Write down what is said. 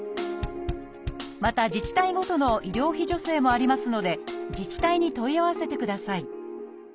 また自治体ごとの医療費助成もありますので自治体に問い合わせてください